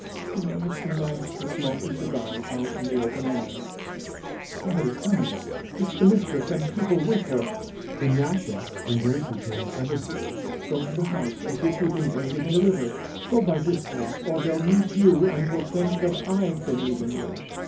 It's nice to smoke a cigar out in the open air.... [Listens] Somebody's coming. It's the mistress, and people with her. [DUNYASHA embraces him suddenly] Go to the house, as if you'd been bathing in the river; go by this path, or they'll meet you and will think I've been meeting you.